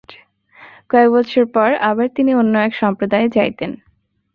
কয়েক বৎসর পর আবার তিনি অন্য এক সম্প্রদায়ে যাইতেন।